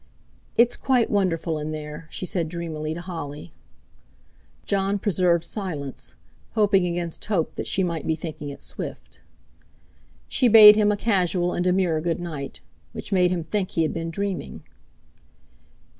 "It's quite wonderful in there," she said dreamily to Holly. Jon preserved silence, hoping against hope that she might be thinking it swift. She bade him a casual and demure good night, which made him think he had been dreaming....